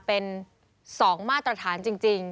เป็น๒มาตรฐานจริง